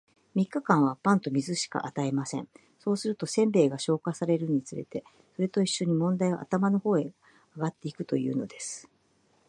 三日間は、パンと水しか与えません。そうすると、煎餅が消化されるにつれて、それと一しょに問題は頭の方へ上ってゆくというのです。